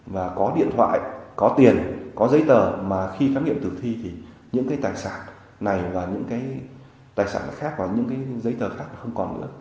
và có điện thoại có tiền có giấy tờ mà khi khám nghiệm tử thi thì những cái tài sản này và những cái tài sản khác và những cái giấy tờ khác không còn nữa